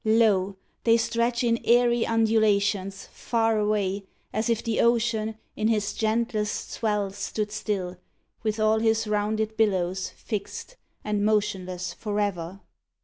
Lo! they stretch In airy undulations, far away, As if the ocean, in his gentlest swell, Stood still, with all his rounded billows fixed, And motionless for ever.